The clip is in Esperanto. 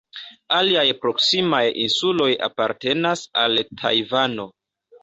Aliaj proksimaj insuloj apartenas al Tajvano.